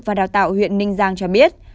và đào tạo huyện ninh giang cho biết